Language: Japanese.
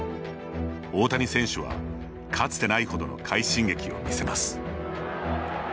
大谷選手は、かつてないほどの快進撃を見せます。